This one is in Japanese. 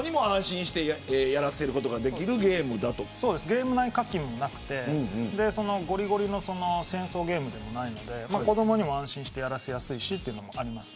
ゲーム内課金もなくてゴリゴリの戦争ゲームでもないので子どもに安心してやらせられるのもあります。